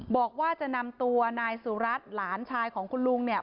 บอกว่าจะนำตัวนายสุรัตน์หลานชายของคุณลุงเนี่ย